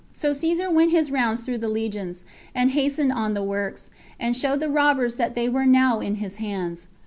So Caesar went his rounds through the legions, and hastened on the works, and showed the robbers that they were now in his hands.